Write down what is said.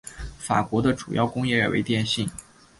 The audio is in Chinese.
法国的主要工业为电信。